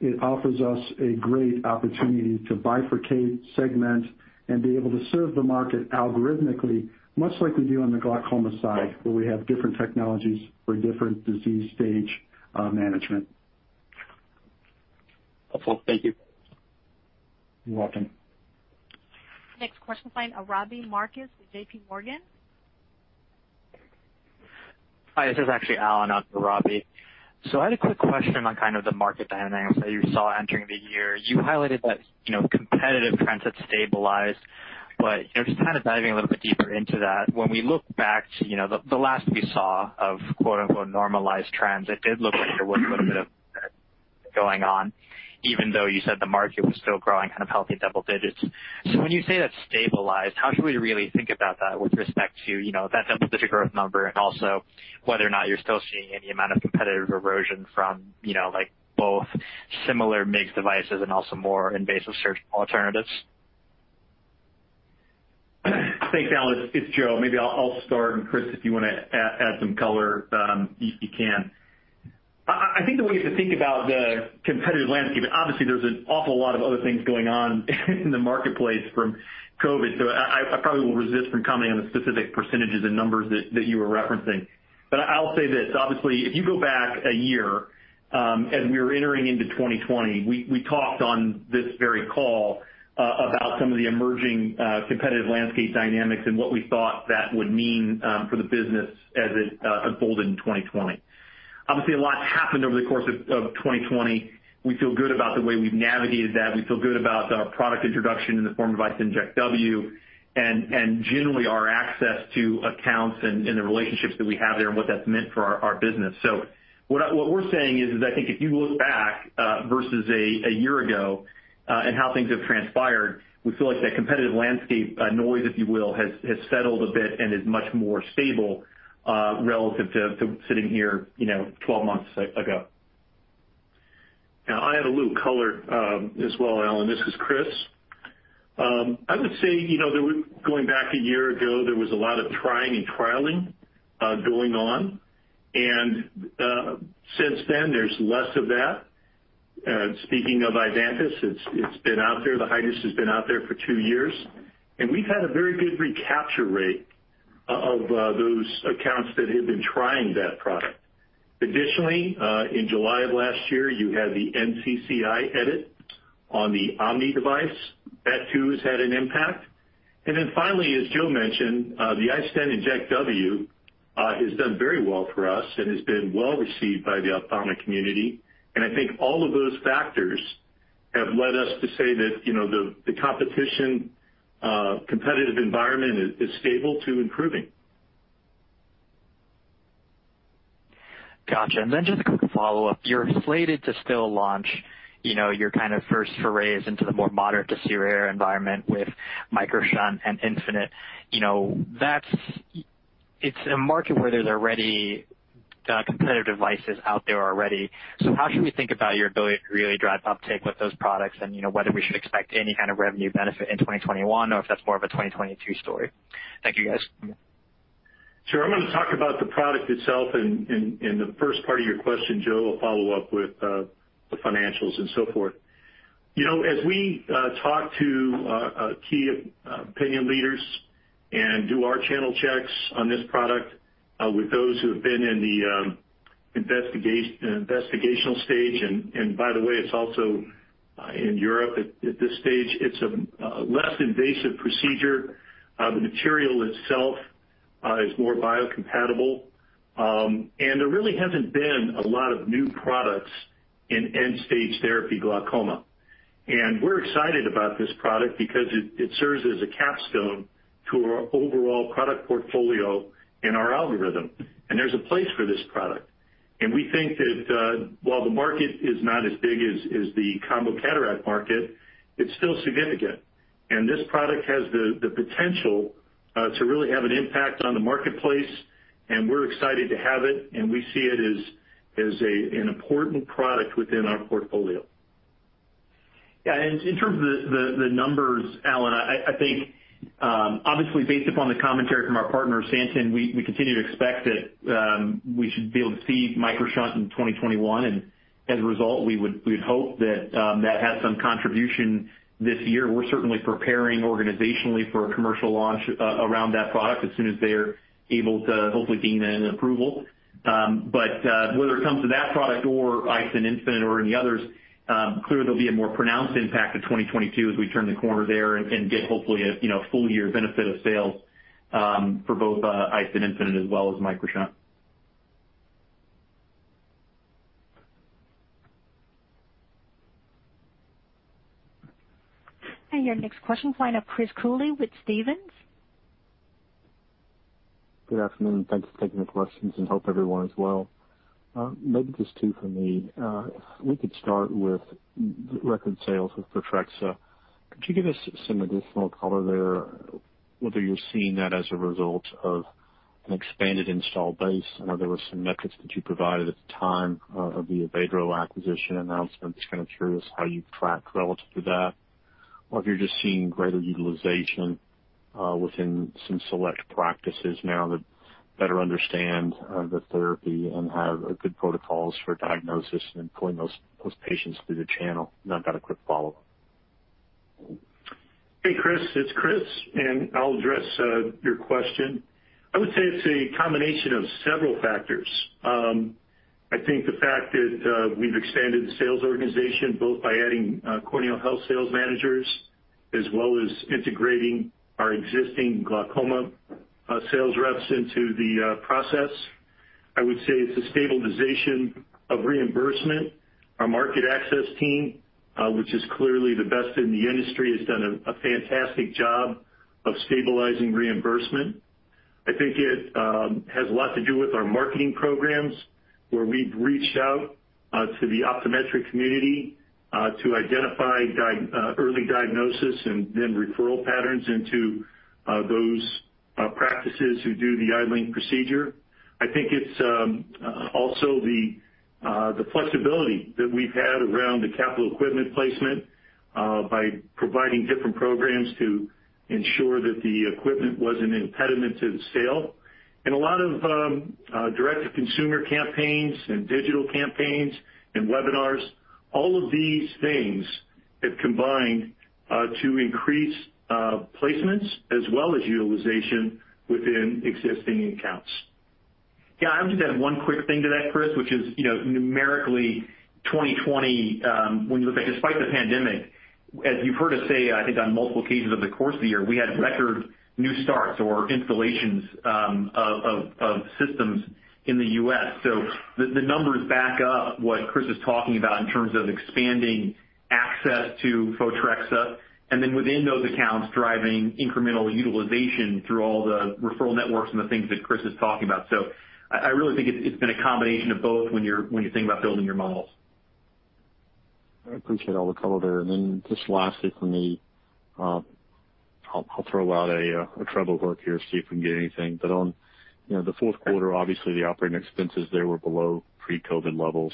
it offers us a great opportunity to bifurcate, segment, and be able to serve the market algorithmically, much like we do on the glaucoma side, where we have different technologies for different disease stage management. Wonderful. Thank you. You're welcome. Next question comes from Robbie Marcus with JPMorgan. Hi, this is actually Alan, not Robbie. I had a quick question on kind of the market dynamics that you saw entering the year. You highlighted that competitive trends have stabilized but just kind of diving a little bit deeper into that, when we look back to the last we saw of quote unquote normalized trends, it did look like there was a little bit of going on, even though you said the market was still growing kind of healthy double-digit. When you say that's stabilized, how should we really think about that with respect to that double-digit growth number and also whether or not you're still seeing any amount of competitive erosion from both similar MIGS devices and also more invasive surgical alternatives? Thanks, Alan. It's Joe. Maybe I'll start, and Chris, if you want to add some color, you can. I think the way to think about the competitive landscape, and obviously there's an awful lot of other things going on in the marketplace from COVID, so I probably will resist from commenting on the specific percentages and numbers that you were referencing. I'll say this. Obviously, if you go back a year, as we were entering into 2020, we talked on this very call about some of the emerging competitive landscape dynamics and what we thought that would mean for the business as it unfolded in 2020. Obviously, a lot happened over the course of 2020. We feel good about the way we've navigated that. We feel good about our product introduction in the form of iStent inject W and generally our access to accounts and the relationships that we have there and what that's meant for our business. What we're saying is, I think if you look back versus a year ago at how things have transpired, we feel like that competitive landscape noise, if you will, has settled a bit and is much more stable relative to sitting here 12 months ago. Yeah. I'll add a little color as well, Alan. This is Chris. I would say, going back a year ago, there was a lot of trying and trialing going on. Since then, there's less of that. Speaking of Ivantis, it's been out there. The Hydrus has been out there for two years. We've had a very good recapture rate of those accounts that had been trying that product. Additionally, in July of last year, you had the NCCI edit on the OMNI device. That too has had an impact. Finally, as Joe mentioned, the iStent inject W has done very well for us and has been well received by the ophthalmic community. I think all of those factors have led us to say that the competitive environment is stable to improving. Got you. Just a quick follow-up. You're slated to still launch your kind of first forays into the more moderate to severe environment with MicroShunt and Infinite. It's a market where there's already competitive devices out there already. How should we think about your ability to really drive uptake with those products and whether we should expect any kind of revenue benefit in 2021, or if that's more of a 2022 story? Thank you, guys. Sure. I'm going to talk about the product itself in the first part of your question. Joe will follow up with the financials and so forth. As we talk to key opinion leaders and do our channel checks on this product with those who have been in the investigational stage and by the way, it's also in Europe at this stage. It's a less invasive procedure. The material itself is more biocompatible. There really hasn't been a lot of new products in end-stage therapy glaucoma. We're excited about this product because it serves as a capstone to our overall product portfolio and our algorithm. There's a place for this product. We think that while the market is not as big as the combo cataract market, it's still significant. This product has the potential to really have an impact on the marketplace. We're excited to have it. We see it as an important product within our portfolio. Yeah. In terms of the numbers, Alan, I think obviously based upon the commentary from our partner, Santen, we continue to expect that we should be able to see PRESERFLO MicroShunt in 2021. As a result, we would hope that that has some contribution this year. We're certainly preparing organizationally for a commercial launch around that product as soon as they're able to hopefully gain an approval. Whether it comes to that product or iStent infinite or any others, clearly there'll be a more pronounced impact to 2022 as we turn the corner there and get hopefully a full-year benefit of sales for both iStent infinite as well as PRESERFLO MicroShunt. Your next question, Chris Cooley with Stephens. Good afternoon. Thanks for taking the questions, and hope everyone is well. Maybe just two from me. If we could start with record sales of Photrexa. Could you give us some additional color there, whether you're seeing that as a result of an expanded install base? I know there were some metrics that you provided at the time of the Avedro acquisition announcement. Just kind of curious how you've tracked relative to that or if you're just seeing greater utilization within some select practices now that better understand the therapy and have good protocols for diagnosis and pulling those patients through the channel. I've got a quick follow-up. Hey, Chris. It's Chris. I'll address your question. I would say it's a combination of several factors. I think the fact that we've expanded the sales organization, both by adding corneal health sales managers as well as integrating our existing glaucoma sales reps into the process. I would say it's a stabilization of reimbursement. Our market access team, which is clearly the best in the industry has done a fantastic job of stabilizing reimbursement. I think it has a lot to do with our marketing programs, where we've reached out to the optometric community to identify early diagnosis, then referral patterns into those practices who do the iLink procedure. I think it's also the flexibility that we've had around the capital equipment placement by providing different programs to ensure that the equipment wasn't an impediment to the sale. A lot of direct-to-consumer campaigns and digital campaigns and webinars. All of these things have combined to increase placements as well as utilization within existing accounts. Yeah, I would just add one quick thing to that, Chris, which is numerically 2020, when you look at despite the pandemic, as you've heard us say, I think on multiple occasions over the course of the year, we had record new starts or installations of systems in the U.S. The numbers back up what Chris is talking about in terms of expanding access to Photrexa, and then within those accounts, driving incremental utilization through all the referral networks and the things that Chris is talking about. I really think it's been a combination of both when you're thinking about building your models. Lastly from me, I'll throw out a treble hook here, see if we can get anything. On the fourth quarter, obviously the operating expenses there were below pre-COVID levels.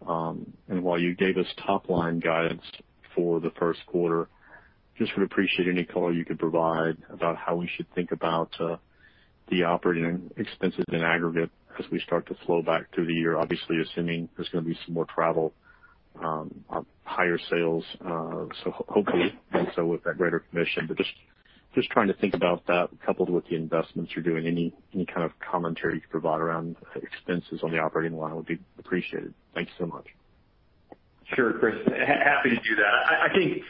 While you gave us top-line guidance for the first quarter, just would appreciate any color you could provide about how we should think about the operating expenses in aggregate as we start to flow back through the year. Obviously, assuming there's going to be some more travel, higher sales, hopefully also with that greater commission. Just trying to think about that coupled with the investments you're doing. Any kind of commentary you could provide around expenses on the operating line would be appreciated. Thank you so much. Sure, Chris. Happy to do that. I think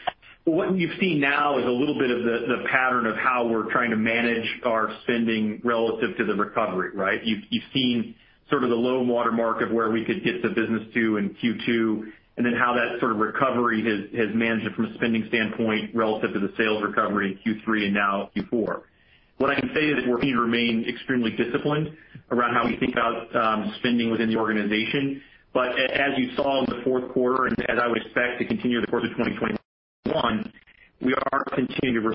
what you've seen now is a little bit of the pattern of how we're trying to manage our spending relative to the recovery, right? You've seen sort of the low water mark of where we could get the business to in Q2, and then how that sort of recovery has managed it from a spending standpoint relative to the sales recovery in Q3 and now Q4. What I can say is we're going to remain extremely disciplined around how we think about spending within the organization. As you saw in the fourth quarter and as I would expect to continue the course of 2021, we are continuing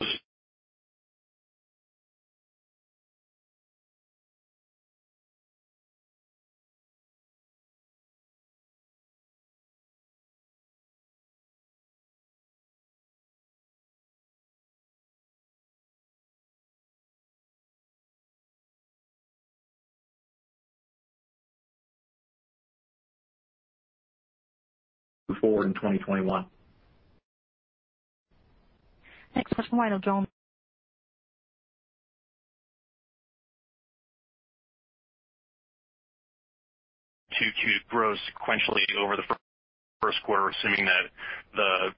to forward in 2021. Next question, line is open. To grow sequentially over the first quarter, assuming that the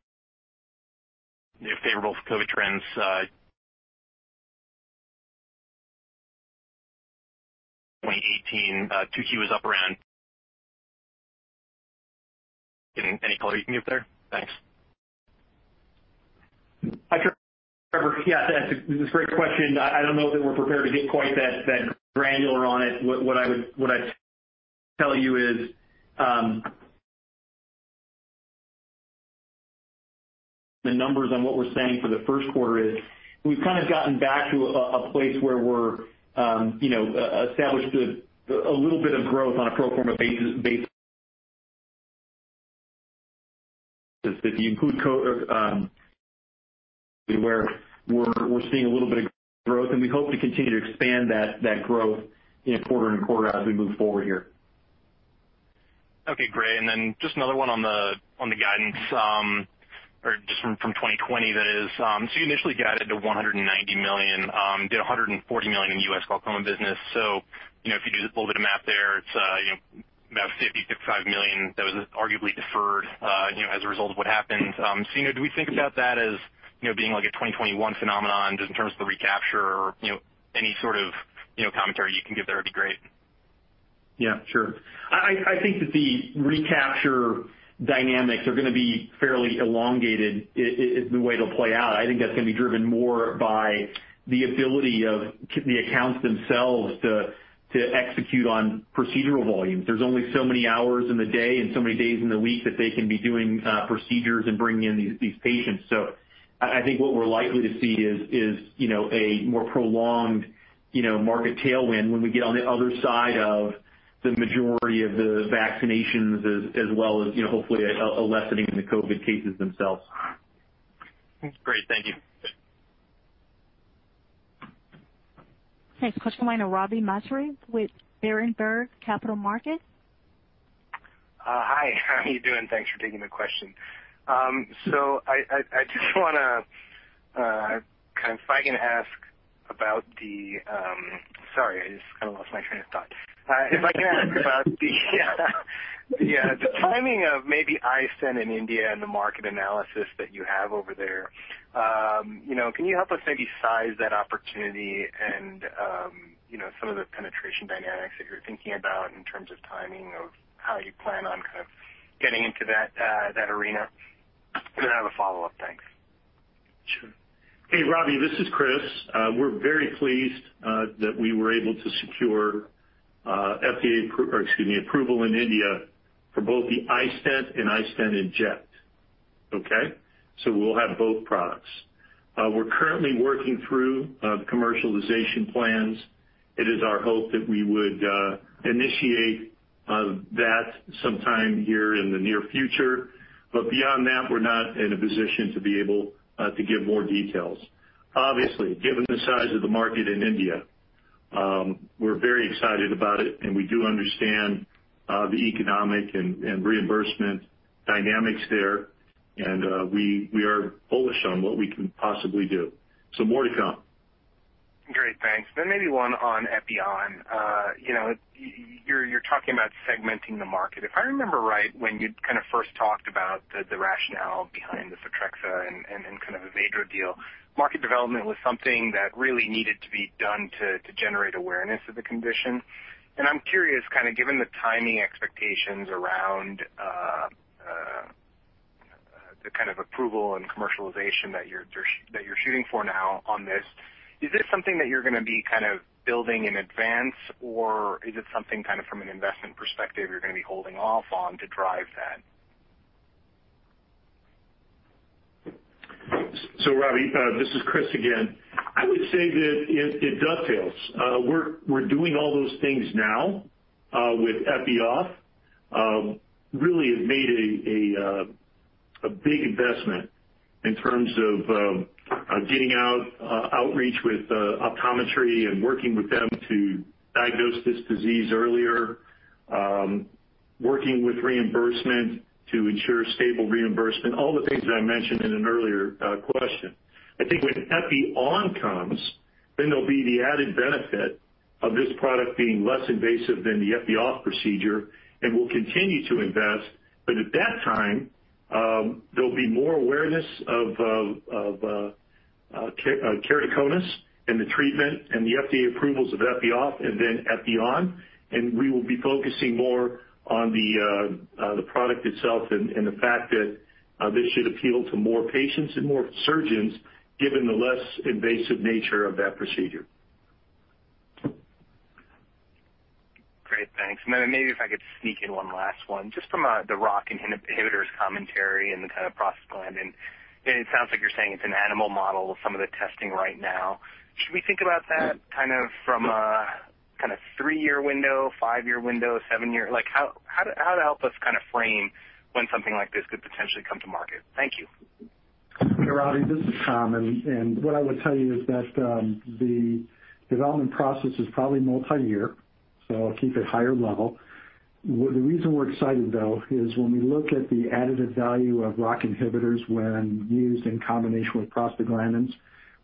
favorable COVID trends 2018, 2Q was up around. Any color you can give there? Thanks. Hi, Trevor. Yeah, that's a great question. I don't know that we're prepared to get quite that granular on it. What I'd tell you is the numbers on what we're saying for the first quarter is we've kind of gotten back to a place where we're established a little bit of growth on a pro forma basis. If you include where we're seeing a little bit of growth, and we hope to continue to expand that growth quarter and quarter as we move forward here. Okay, great. Just another one on the guidance, or just from 2020 that is. You initially guided to $190 million, did $140 million in U.S. glaucoma business. If you do the little bit of math there, it's about $50 million to $55 million that was arguably deferred as a result of what happened. Do we think about that as being like a 2021 phenomenon just in terms of the recapture or any sort of commentary you can give there would be great? Yeah, sure. I think that the recapture dynamics are going to be fairly elongated in the way it'll play out. I think that's going to be driven more by the ability of the accounts themselves to execute on procedural volumes. There's only so many hours in the day and so many days in the week that they can be doing procedures and bringing in these patients. I think what we're likely to see is a more prolonged market tailwind when we get on the other side of the majority of the vaccinations, as well as hopefully a lessening in the COVID cases themselves. Great. Thank you. Thanks. Question line of Ravi Misra with Berenberg Capital Markets. Hi, how are you doing? Thanks for taking the question. If I can ask about the timing of maybe iStent in India and the market analysis that you have over there. Can you help us maybe size that opportunity and some of the penetration dynamics that you're thinking about in terms of timing of how you plan on kind of getting into that arena? Then I have a follow-up. Thanks. Sure. Hey, Ravi, this is Chris. We're very pleased that we were able to secure FDA approval in India for both the iStent and iStent inject. Okay. We'll have both products. We're currently working through commercialization plans. It is our hope that we would initiate that sometime here in the near future. Beyond that, we're not in a position to be able to give more details. Obviously, given the size of the market in India, we're very excited about it and we do understand the economic and reimbursement dynamics there, and we are bullish on what we can possibly do. More to come. Great, thanks. Maybe one on Epi-on. You're talking about segmenting the market. If I remember right, when you kind of first talked about the rationale behind the Photrexa and kind of a Avedro deal, market development was something that really needed to be done to generate awareness of the condition. I'm curious, kind of given the timing expectations around the kind of approval and commercialization that you're shooting for now on this, is this something that you're going to be kind of building in advance, or is it something kind of from an investment perspective you're going to be holding off on to drive that? Ravi, this is Chris again. I would say that it dovetails. We're doing all those things now with Epi-off. Really have made a big investment in terms of getting out outreach with optometry and working with them to diagnose this disease earlier. Working with reimbursement to ensure stable reimbursement, all the things that I mentioned in an earlier question. I think when Epi-on comes, then there'll be the added benefit of this product being less invasive than the Epi-off procedure, and we'll continue to invest. At that time, there'll be more awareness of keratoconus and the treatment and the FDA approvals of Epi-off and then Epi-on, and we will be focusing more on the product itself and the fact that this should appeal to more patients and more surgeons given the less invasive nature of that procedure. Great, thanks. Then maybe if I could sneak in one last one, just from the ROCK inhibitors commentary and the kind of prostaglandin, and it sounds like you're saying it's an animal model of some of the testing right now. Should we think about that kind of from a three-year window, five-year window, seven year? How to help us kind of frame when something like this could potentially come to market? Thank you. Ravi, this is Tom. What I would tell you is that the development process is probably multi-year. I'll keep it higher level. The reason we're excited, though, is when we look at the additive value of ROCK inhibitors when used in combination with prostaglandins,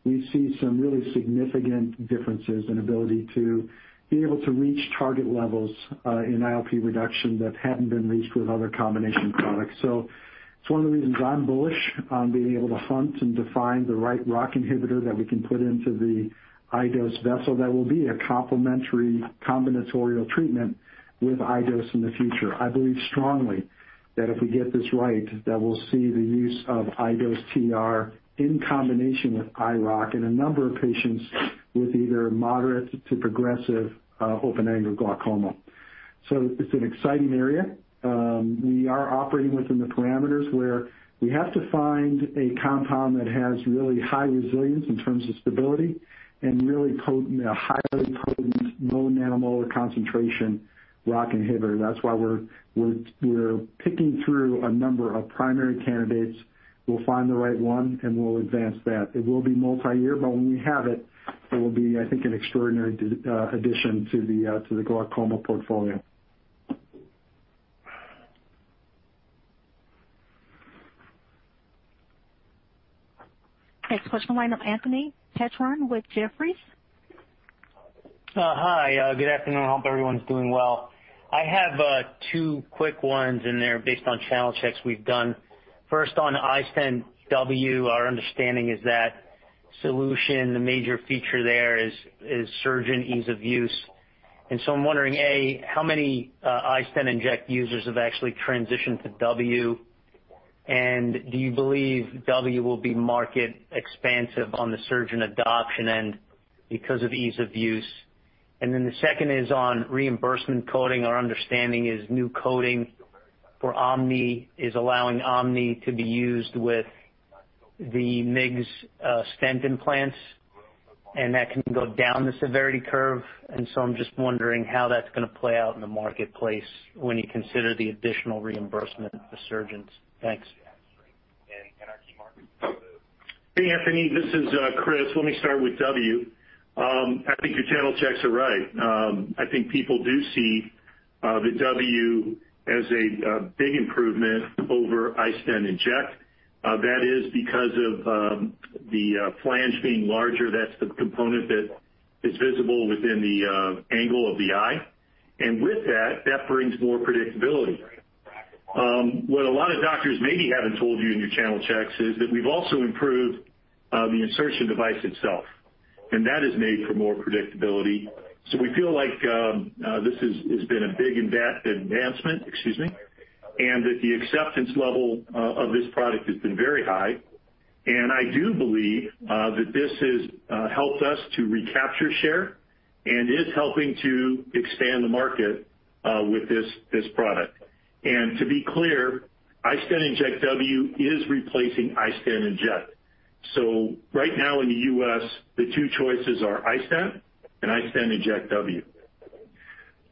we see some really significant differences in ability to be able to reach target levels in IOP reduction that hadn't been reached with other combination products. It's one of the reasons I'm bullish on being able to hunt and define the right ROCK inhibitor that we can put into the iDose vessel that will be a complementary combinatorial treatment with iDose in the future. I believe strongly that if we get this right, that we'll see the use of iDose TR in combination with Rhopressa in a number of patients with either moderate to progressive open-angle glaucoma. It's an exciting area. We are operating within the parameters where we have to find a compound that has really high resilience in terms of stability and really potent, a highly potent, low nanomolar concentration ROCK inhibitor. That's why we're picking through a number of primary candidates. We'll find the right one, and we'll advance that. It will be multi-year, but when we have it will be, I think, an extraordinary addition to the glaucoma portfolio. Thanks. Question line of Anthony Petrone with Jefferies. Hi, good afternoon. Hope everyone's doing well. I have two quick ones in there based on channel checks we've done. First on iStent W, our understanding is that- Solution, the major feature there is surgeon ease of use. I'm wondering, A, how many iStent inject users have actually transitioned to W? Do you believe W will be market expansive on the surgeon adoption end because of ease of use? The second is on reimbursement coding. Our understanding is new coding for OMNI is allowing OMNI to be used with the MIGS stent implants, and that can go down the severity curve. I'm just wondering how that's going to play out in the marketplace when you consider the additional reimbursement for surgeons. Thanks. Hey, Anthony, this is Chris. Let me start with W. I think your channel checks are right. I think people do see the W as a big improvement over iStent inject. That is because of the flange being larger. That's the component that is visible within the angle of the eye. With that brings more predictability. What a lot of doctors maybe haven't told you in your channel checks is that we've also improved the insertion device itself, and that has made for more predictability. We feel like this has been a big advancement, excuse me, and that the acceptance level of this product has been very high. I do believe that this has helped us to recapture share and is helping to expand the market with this product. To be clear, iStent inject W is replacing iStent inject. Right now in the U.S., the two choices are iStent and iStent inject W.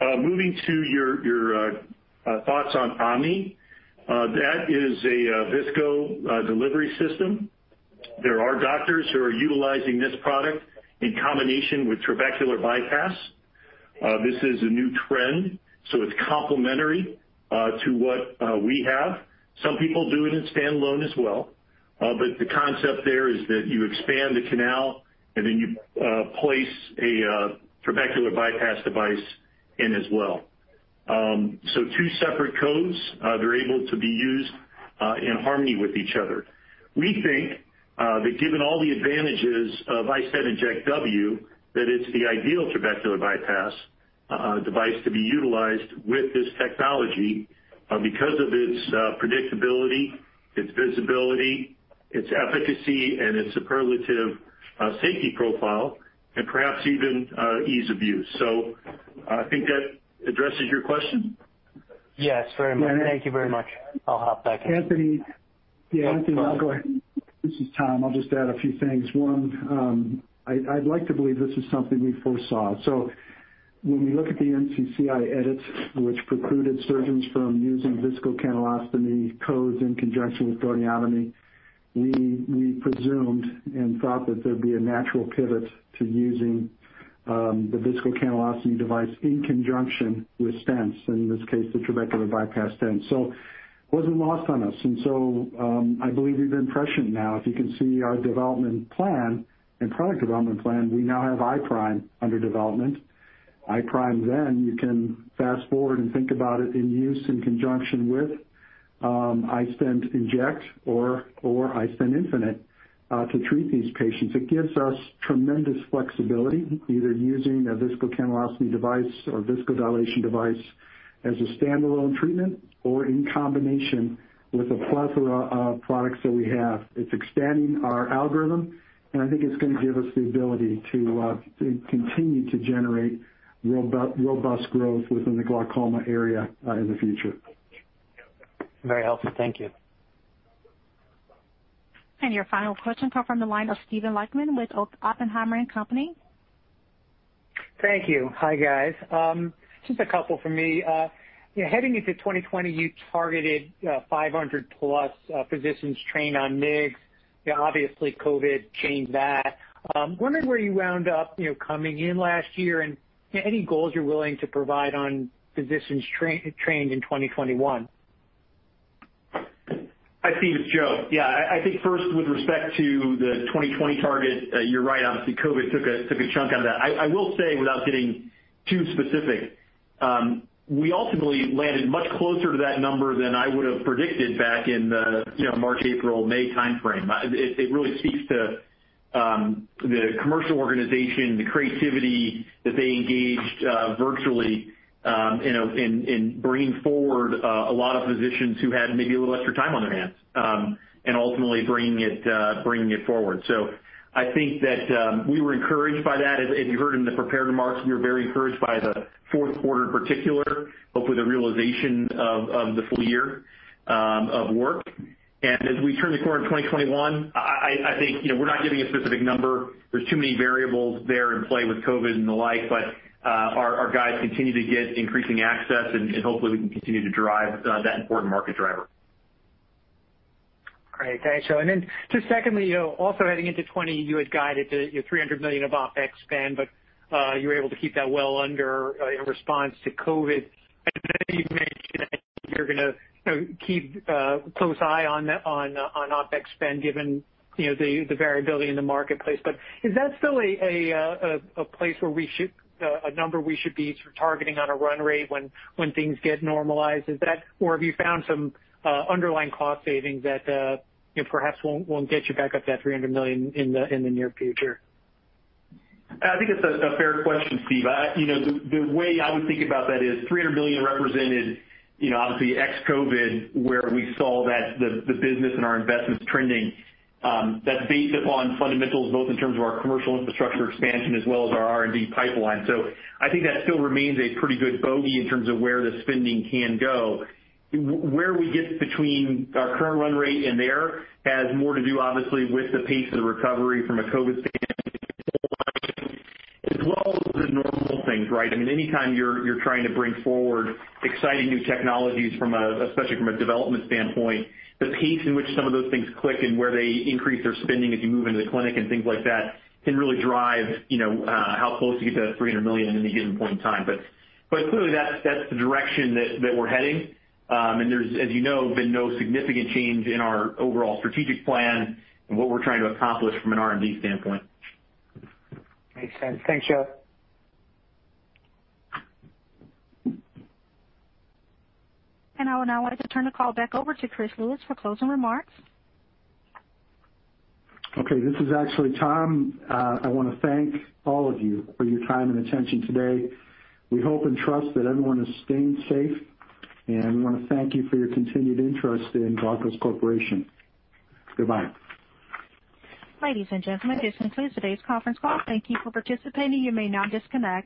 Moving to your thoughts on OMNI, that is a viscodelivery system. There are doctors who are utilizing this product in combination with trabecular bypass. This is a new trend, it's complementary to what we have. Some people do it in standalone as well. The concept there is that you expand the canal and you place a trabecular bypass device in as well. Two separate codes. They're able to be used in harmony with each other. We think that given all the advantages of iStent inject W, that it's the ideal trabecular bypass device to be utilized with this technology because of its predictability, its visibility, its efficacy, and its superlative safety profile, and perhaps even ease of use. I think that addresses your question. Yes, very much. Thank you very much. I'll hop back. Anthony. Yeah, Anthony, no, go ahead. This is Tom. I'll just add a few things. One, I'd like to believe this is something we foresaw. When we look at the NCCI edits, which precluded surgeons from using viscocanaloplasty codes in conjunction with goniotomy, we presumed and thought that there'd be a natural pivot to using the viscocanaloplasty device in conjunction with stents, in this case, the trabecular bypass stent. It wasn't lost on us. I believe we've been prescient now. If you can see our development plan and product development plan, we now have iPRIME under development. iPRIME, then you can fast-forward and think about it in use in conjunction with iStent inject or iStent infinite to treat these patients. It gives us tremendous flexibility either using a viscocanaloplasty device or viscodilation device as a standalone treatment or in combination with a plethora of products that we have. It's expanding our algorithm. I think it's going to give us the ability to continue to generate robust growth within the glaucoma area in the future. Very helpful. Thank you. Your final question comes from the line of Steven Lichtman with Oppenheimer & Co. Thank you. Hi, guys. Just a couple from me. Heading into 2020, you targeted 500-plus physicians trained on MIGS. Obviously, COVID changed that. Wondering where you wound up coming in last year and any goals you're willing to provide on physicians trained in 2021? Hi, Steve. It's Joe. Yeah, I think first with respect to the 2020 target, you're right. Obviously, COVID took a chunk out of that. I will say, without getting too specific, we ultimately landed much closer to that number than I would have predicted back in the March, April, May timeframe. It really speaks to the commercial organization, the creativity that they engaged virtually in bringing forward a lot of physicians who had maybe a little extra time on their hands, and ultimately bringing it forward. I think that we were encouraged by that. As you heard in the prepared remarks, we were very encouraged by the fourth quarter in particular, hopefully the realization of the full year of work. As we turn the corner in 2021, I think we're not giving a specific number. There's too many variables there in play with COVID and the like. Our guys continue to get increasing access. Hopefully we can continue to drive that important market driver. Great. Thanks, Joe. Just secondly, also heading into 2020, you had guided to your $300 million of OpEx spend, but you were able to keep that well under in response to COVID. I know you've mentioned that you're going to keep a close eye on OpEx spend given the variability in the marketplace. Is that still a place where a number we should be targeting on a run rate when things get normalized or have you found some underlying cost savings that perhaps won't get you back up to that $300 million in the near future? I think it's a fair question, Steve. The way I would think about that is $300 million represented obviously ex-COVID, where we saw that the business and our investments trending. That's based upon fundamentals, both in terms of our commercial infrastructure expansion as well as our R&D pipeline. I think that still remains a pretty good bogey in terms of where the spending can go. Where we get between our current run rate and there has more to do, obviously, with the pace of the recovery from a COVID standpoint as well as the normal things, right? I mean, anytime you're trying to bring forward exciting new technologies especially from a development standpoint, the pace in which some of those things click and where they increase their spending as you move into the clinic and things like that can really drive how close you get to that $300 million in any given point in time. Clearly that's the direction that we're heading. There's, as you know, been no significant change in our overall strategic plan and what we're trying to accomplish from an R&D standpoint. Makes sense. Thanks, Joe. I would now like to turn the call back over to Chris Lewis for closing remarks. Okay, this is actually Tom. I want to thank all of you for your time and attention today. We hope and trust that everyone is staying safe, and we want to thank you for your continued interest in Glaukos Corporation. Goodbye. Ladies and gentlemen, this concludes today's conference call. Thank you for participating. You may now disconnect.